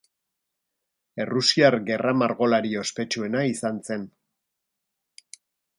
Errusiar gerra-margolari ospetsuena izan zen.